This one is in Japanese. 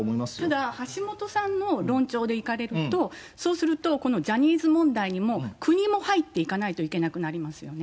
ただ、橋下さんの論調でいかれると、そうすると、このジャニーズ問題にも、国も入っていかないといけなくなりますよね。